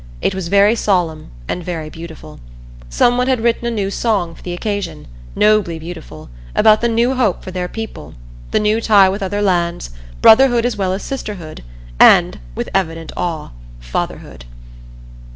It was very solemn and very beautiful. Someone had written a new song for the occasion, nobly beautiful, about the New Hope for their people the New Tie with other lands Brotherhood as well as Sisterhood, and, with evident awe, Fatherhood.